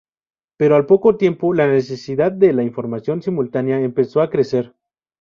Pero, al poco tiempo, la necesidad de la información simultánea empezó a crecer.